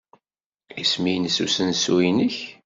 Isem-nnes usensu-nnek?